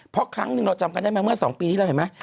เพราะครั้งหนึ่งเราจำกันได้ไหมเมื่อ๒ปีที่เราเห็นไหม